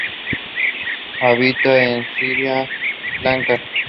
Habita en Sri Lanka.